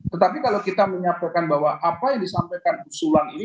tetapi kalau kita menyampaikan bahwa apa yang disampaikan usulan ini